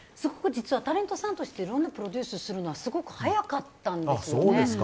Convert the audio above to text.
実は、タレントさんとしていろんなプロデュースするのがすごく早かったんですね。